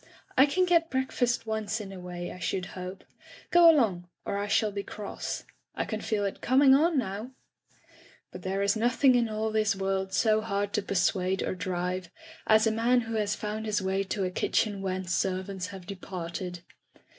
I can get breakfast once in a way, I should hope. Go along, or I shall be cross. I can feel it coming on now.'* But there is nothing in all this world so [ 342 ] Digitized by LjOOQ IC By the Sawyer Method hard to persuade or drive as a man who has found his way to a kitchen whence servants have departed.